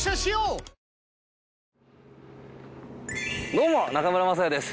どうも中村昌也です。